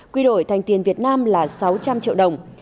quy đổi thành tiền việt nam là sáu trăm linh triệu đồng